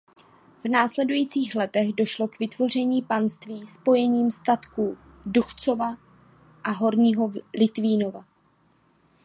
V následujících letech došlo k vytvoření panství spojením statků Duchcova a Horního Litvínova.